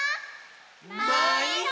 まいど！